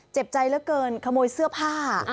เจ็บใจเหลือเกินขโมยเสื้อผ้า